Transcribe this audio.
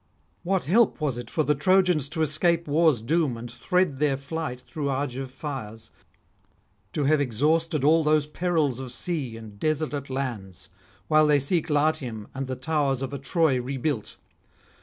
What help was it for the Trojans to escape war's doom and thread their flight through Argive fires, to have exhausted all those perils of sea and desolate lands, while they seek Latium and the towers of a Troy rebuilt?